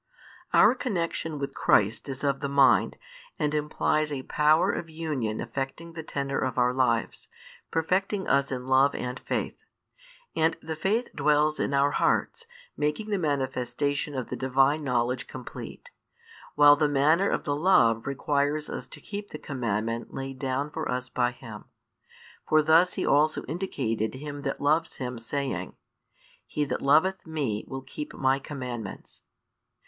Our connexion with Christ is of the mind, and implies a power of union affecting the tenor of our lives; perfecting us in love and faith. And the faith dwells in our hearts, making the manifestation of the Divine knowledge complete: while the manner of the love requires us to keep the commandment laid down for us by Him. For thus He also indicated him that loves Him, saying: "He that loveth Me will keep My commandments."